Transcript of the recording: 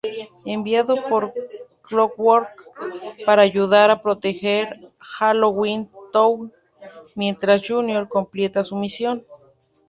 Enviado por Clockwork, para ayudar a proteger Halloween Town, mientras Junior completa su misión.